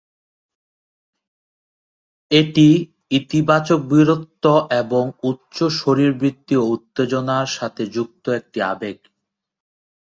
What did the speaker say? এটি ইতিবাচক বীরত্ব এবং উচ্চ শারীরবৃত্তীয় উত্তেজনার সাথে যুক্ত একটি আবেগ।